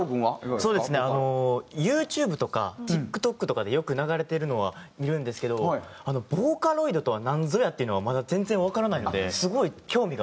そうですねあのＹｏｕＴｕｂｅとかＴｉｋＴｏｋとかでよく流れてるのは見るんですけどボーカロイドとはなんぞや？っていうのはまだ全然わからないのですごい興味があります。